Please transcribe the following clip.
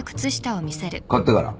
買ってから。